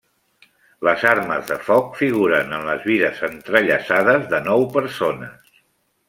Les armes de foc figuren en les vides entrellaçades de nou persones.